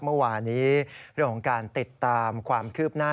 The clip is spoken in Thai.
เมื่อวานี้เรื่องของการติดตามความคืบหน้า